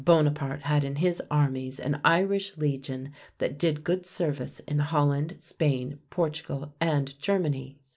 Bonaparte had in his armies an Irish Legion that did good service in Holland, Spain, Portugal, and Germany.